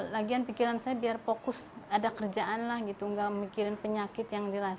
lagian pikiran saya biar fokus ada kerjaan lah gitu nggak mikirin penyakit yang dirasain